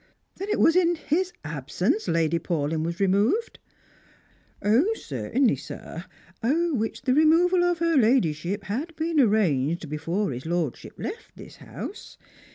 Then it was in his absence Lady Paulyn was re moved?" " Certingly, sir — which the removal of her ladyship had been arranged before his lordship left this house.